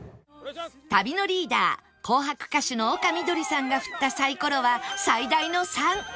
旅のリーダー『紅白』歌手の丘みどりさんが振ったサイコロは最大の「３」